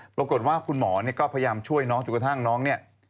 ปรากฏว่าคุณหมอก็พยายามช่วยน้องจนกระทั่งน้องเนี่ย